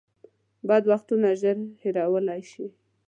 بد وختونه ژر هېرولی شئ .